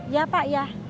ya pak ya